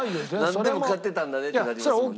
なんでも買ってたんだねってなりますよね。